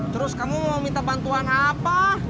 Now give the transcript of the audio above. terus kamu mau minta bantuan apa